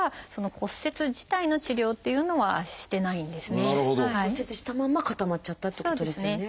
骨折したまんま固まっちゃったっていうことですよね。